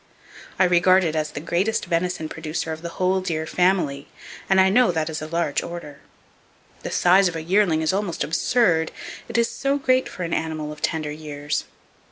I regard it as the greatest venison producer of the whole Deer Family; and I know that is a large order. The size of a yearling is almost absurd, it is so great for an animal of tender years.